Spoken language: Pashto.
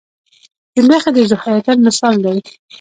چنډخې د ذوحیاتین مثال دی